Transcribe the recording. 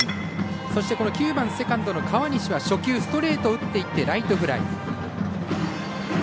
そして９番セカンドの川西は初球、ストレートを打っていってライトフライ。